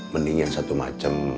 mending yang satu macem